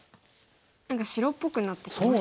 何か白っぽくなってきましたね。